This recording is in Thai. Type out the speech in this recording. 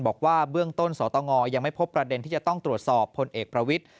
บอกว่าเบื้องต้นสตงยังไม่พบประเด็นที่จะต้องตรวจสอบพลเอกประวิทธิ